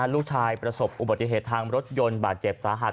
ประสบอุบัติเหตุทางรถยนต์บาดเจ็บสาหัส